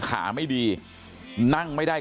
ขาไม่ดีนั่งไม่ได้